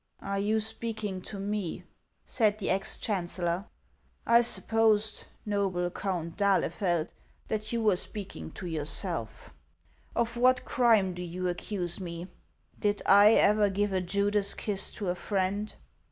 " Are you speaking to me ?" said the ex chancellor. " I supposed, noble Count d'Ahlefeld, that you were speaking to yourself. Of what crime do you accuse me ? Did I ever give a Judas kiss to a friend